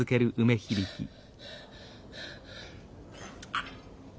あっ。